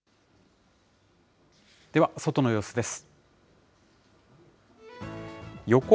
では外の様子です。